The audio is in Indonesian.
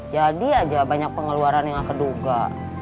jadi aja banyak pengeluaran yang gak keduga